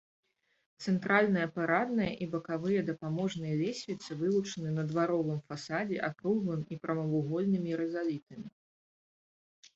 Цэнтральная парадная і бакавыя дапаможныя лесвіцы вылучаны на дваровым фасадзе акруглым і прамавугольнымі рызалітамі.